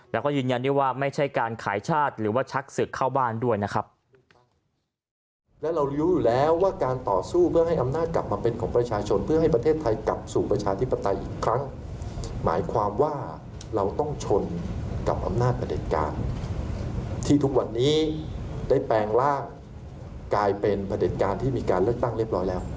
แล้วก็ยืนยันได้ว่าไม่ใช่การขายชาติหรือว่าชักศึกเข้าบ้านด้วยนะครับ